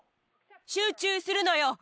集中するのよ。